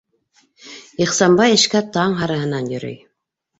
Ихсанбай эшкә таң һарыһынан йөрөй.